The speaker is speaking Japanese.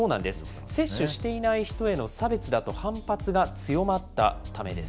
接種していない人への差別だと反発が強まったためです。